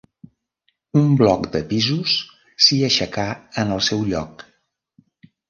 Un bloc de pisos s'hi aixecà en el seu lloc.